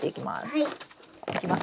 はい。